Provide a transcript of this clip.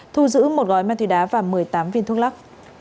thu giữ một gói ma túy đá và một mươi tám viên thuốc lắc